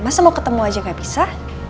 masa mau ketemu aja gak bisa